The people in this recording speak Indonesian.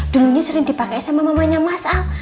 dulunya sering dipakai sama mamanya mas al